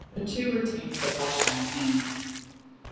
The two retained the Borsheims name.